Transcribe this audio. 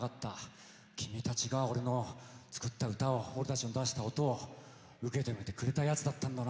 君たちが俺の作った歌を俺たちの出した音を受け止めてくれたやつだったんだな。